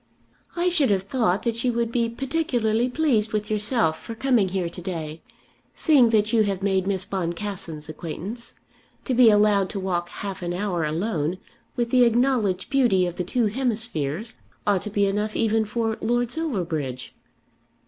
"I should have thought that you would be particularly pleased with yourself for coming here to day, seeing that you have made Miss Boncassen's acquaintance. To be allowed to walk half an hour alone with the acknowledged beauty of the two hemispheres ought to be enough even for Lord Silverbridge."